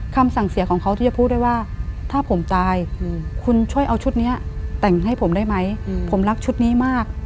คำสั่งเสียของเขาที่จะพูดได้ว่าถ้าผมจ่ายคุณช่วยเอาชุดนี้แต่งให้ผมได้ไหมผมรักชุดนี้มาก